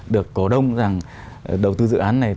được cổ đông rằng đầu tư dự án này